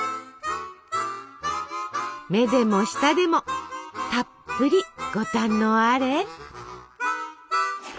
目でも舌でもたっぷりご堪能あれ。